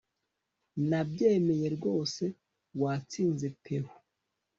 nabyemeye rwose watsinze peuh